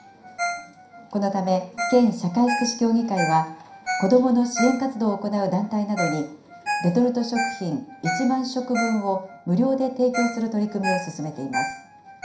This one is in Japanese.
このため、県社会福祉協議会は、子どもの支援活動を行う団体などに、レトルト食品１万食分を無料で提供する取り組みを進めています。